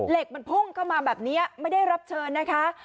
เหล็กมันพุ่งเข้ามาแบบนี้ไม่ได้รับเชิญนะคะ